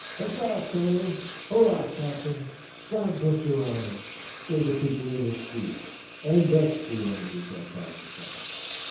"Huzza, Colonel! Hurrah, Captain! God bless your honour!" say the people in the street. And thus the enemies are pacified.